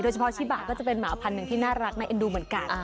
เฉพาะชิบาก็จะเป็นหมาพันหนึ่งที่น่ารักน่าเอ็นดูเหมือนกัน